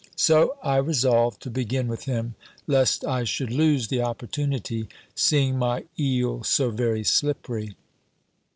So I resolved to begin with him; lest I should lose the opportunity, seeing my eel so very slippery.